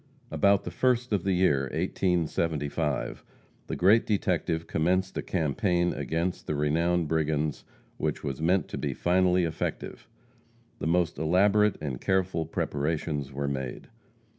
About the first of the year 1875, the great detective commenced a campaign against the renowned brigands which was meant to be finally effective. The most elaborate and careful preparations were made.